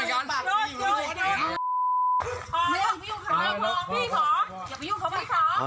ออกบ้านมา